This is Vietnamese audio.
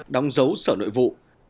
đóng dấu sở nội vụ